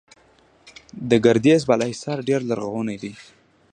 د ګردیز بالاحصار ډیر لرغونی دی